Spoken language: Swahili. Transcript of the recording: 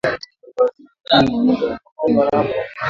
kwa Waziri Mkuu wa muda Abdulhamid Dbeibah